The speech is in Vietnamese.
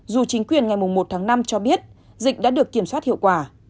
dù chính quyền ngày một tháng năm cho biết dịch đã được kiểm soát hiệu quả